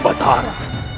jaga dewa batara